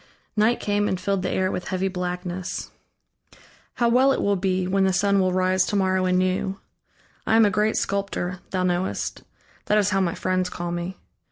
Night came, and filled the air with heavy blackness. "How well it will be, when the sun will rise to morrow anew.... I am a great sculptor, thou knowest; that is how my friends call me.